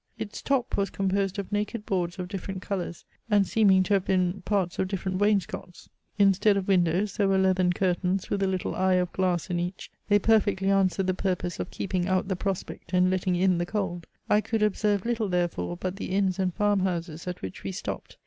Its top was composed of naked boards of different colours, and seeming to have been parts of different wainscots. Instead of windows there were leathern curtains with a little eye of glass in each: they perfectly answered the purpose of keeping out the prospect and letting in the cold. I could observe little therefore, but the inns and farmhouses at which we stopped.